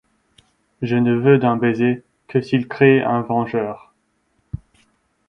Je ne veux d'un baiser que s'il crée un vengeur !